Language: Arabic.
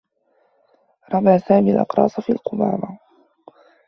رمى سامي الأقراص في القمامة.